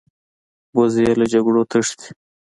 وزې له جګړو تښتي